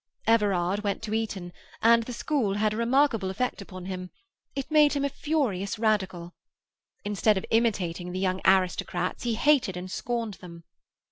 Everard went to Eton, and the school had a remarkable effect upon him; it made him a furious Radical. Instead of imitating the young aristocrats he hated and scorned them.